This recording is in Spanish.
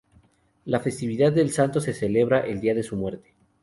La festividad del santo se celebra el día de su muerte.